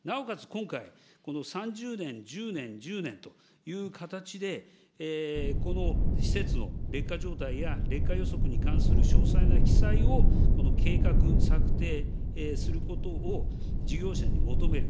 今回、３０年、１０年、１０年という形で、この施設の劣化状態や、劣化予測に関する詳細な記載を計画、策定することを事業者に求める。